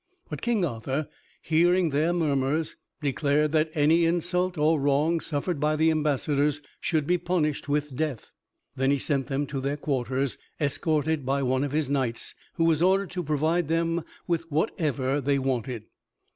But King Arthur, hearing their murmurs, declared that any insult or wrong suffered by the ambassadors should be punished with death. Then he sent them to their quarters, escorted by one of his knights, who was ordered to provide them with whatever they wanted.